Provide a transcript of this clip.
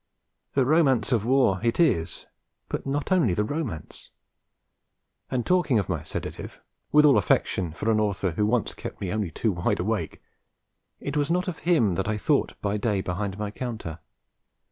The Romance of War it is, but not only the romance; and talking of my sedative, with all affection for an author who once kept me only too wide awake, it was not of him that I thought by day behind my counter.